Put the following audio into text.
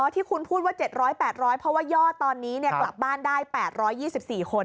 ที่คุณพูดว่า๗๐๐๘๐๐เพราะว่ายอดตอนนี้กลับบ้านได้๘๒๔คน